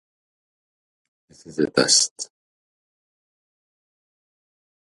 Currently there are nine provinces.